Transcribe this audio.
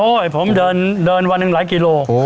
โอ้ยผมเดินวันหนึ่งราคกิโล